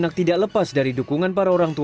ada kesulitan enggak mas ketika main ini